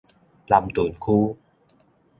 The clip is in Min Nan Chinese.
南屯區